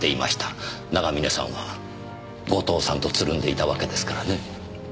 長峰さんは後藤さんとつるんでいたわけですからね。